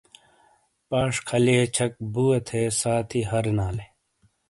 پاش کھلئے چھک بُوے تھے ساتھی ہرنالے ۔